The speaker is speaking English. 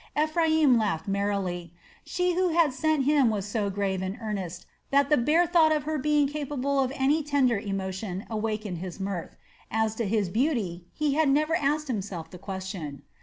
Ephraim laughed merrily. She who had sent him was so grave and earnest that the bare thought of her being capable of any tender emotion wakened his mirth. As to her beauty, he had never asked himself the question.